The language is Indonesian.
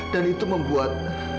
dan itu membuat